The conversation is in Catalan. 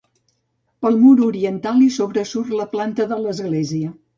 Pel mur oriental hi sobresurt la planta de l'església.